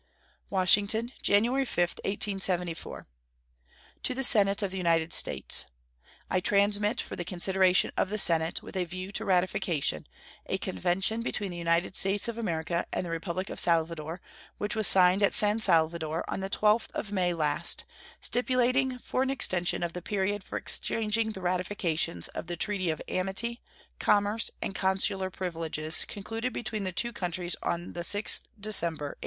WASHINGTON, January 5, 1874. To the Senate of the United States: I transmit, for the consideration of the Senate with a view to ratification, a convention between the United States of America and the Republic of Salvador, which was signed at San Salvador on the 12th of May last, stipulating for an extension of the period for exchanging the ratifications of the treaty of amity, commerce, and consular privileges concluded between the two countries on the 6th December, 1870.